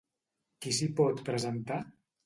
Qui s'hi pot presentar?